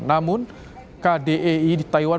namun kdei di taiwan